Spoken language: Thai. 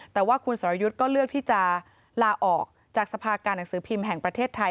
แต่ว่าคุณสรยุทธ์ก็เลือกที่จะลาออกจากสภาการหนังสือพิมพ์แห่งประเทศไทย